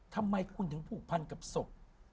ทำไมคุณถึงผูกพันกับศพ